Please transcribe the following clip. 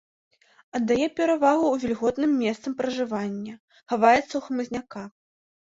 Аддае перавагу вільготным месцам пражывання, хаваецца ў хмызняках.